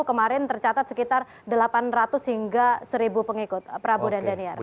kemarin tercatat sekitar delapan ratus hingga seribu pengikut prabu dan daniar